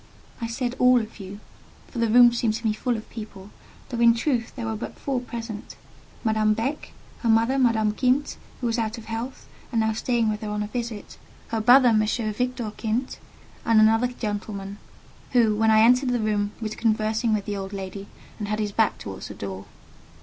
I said, "All of you;" for the room seemed to me full of people, though in truth there were but four present: Madame Beck; her mother, Madame Kint, who was out of health, and now staying with her on a visit; her brother, M. Victor Kint, and another gentleman, who, when I entered the room, was conversing with the old lady, and had his back towards the door.